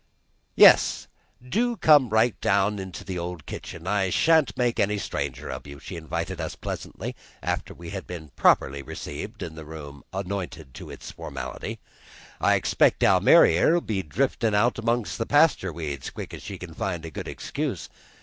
"Yes, do come right out into the old kitchen; I shan't make any stranger of you," she invited us pleasantly, after we had been properly received in the room appointed to formality. "I expect Almiry, here, 'll be driftin' out 'mongst the pasture weeds quick's she can find a good excuse.